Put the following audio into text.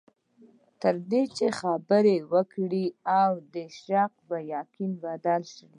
تر دې چې خبرې وکړې او د شک په یقین بدل شي.